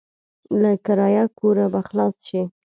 له کرايه کوره به خلاص شې.